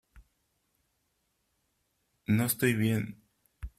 no estoy bien .